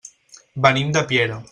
Venim de Piera.